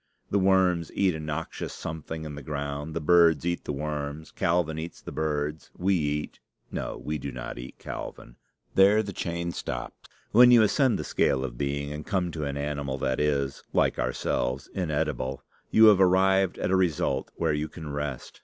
The worms eat a noxious something in the ground. The birds eat the worms. Calvin eats the birds. We eat no, we do not eat Calvin. There the chain stops. When you ascend the scale of being, and come to an animal that is, like ourselves, inedible, you have arrived at a result where you can rest.